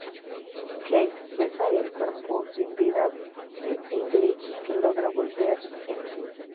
Kate besa el cuerpo sin vida de English, que logra volver en sí.